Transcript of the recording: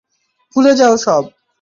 ভুলে যাও সব।